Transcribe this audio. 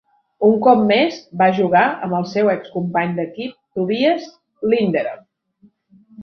Un cop més va jugar amb el seu excompany d'equip Tobias Linderoth.